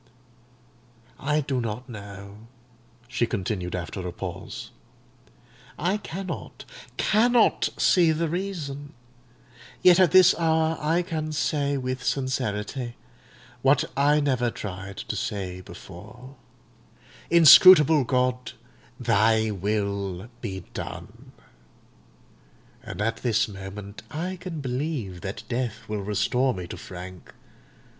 "I do not know," she continued after a pause: "I cannot—cannot see the reason; yet at this hour I can say with sincerity, what I never tried to say before, Inscrutable God, Thy will be done! And at this moment I can believe that death will restore me to Frank.